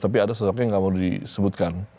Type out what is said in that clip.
tapi ada sosoknya yang tidak mau disebutkan